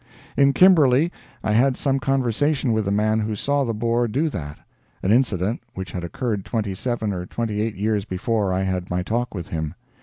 In Kimberley I had some conversation with the man who saw the Boer do that an incident which had occurred twenty seven or twenty eight years before I had my talk with him.